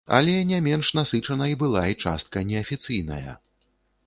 Але не менш насычанай была і частка неафіцыйная.